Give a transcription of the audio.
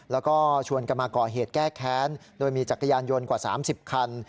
แล้วก็ชวนกันมาก่อเหตุแก้แค้นโดยมีจักรยานยนต์กว่า๓๐คัน